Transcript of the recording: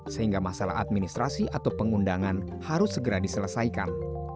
sehingga masalah administrasi atau pengundangan harus segera diselesaikan